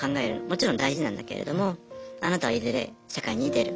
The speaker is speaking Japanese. もちろん大事なんだけれどもあなたはいずれ社会に出ると。